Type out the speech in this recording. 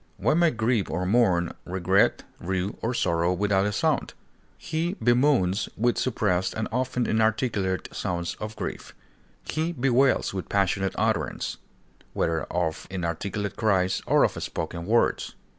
One may grieve or mourn, regret, rue, or sorrow without a sound; he bemoans with suppressed and often inarticulate sounds of grief; he bewails with passionate utterance, whether of inarticulate cries or of spoken words.